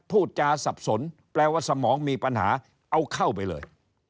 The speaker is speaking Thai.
พูดจาสับสนแปลว่าสมองมีปัญหาเอาเข้าไปเลย